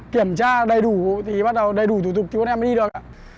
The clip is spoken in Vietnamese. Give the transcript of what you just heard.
kiểm tra đầy đủ thì bắt đầu đầy đủ thủ tục thì bọn em mới đi được